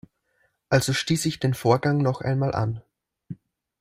Also stieß ich den Vorgang noch einmal an.